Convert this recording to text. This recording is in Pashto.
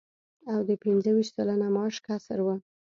او د پنځه ویشت سلنه معاش کسر و